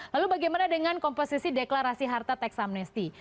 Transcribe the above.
lalu bagaimana dengan komposisi deklarasi harta teks amnesti